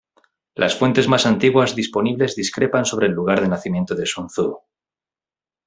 Las fuentes más antiguas disponibles discrepan sobre el lugar de nacimiento de Sun Tzu.